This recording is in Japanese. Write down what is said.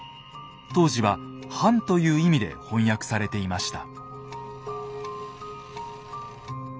当時は「藩」という意味で翻訳されていました。